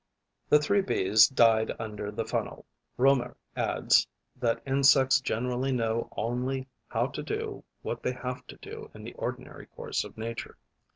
The three Bees died under the funnel. Reaumur adds that insects generally know only how to do what they have to do in the ordinary course of nature.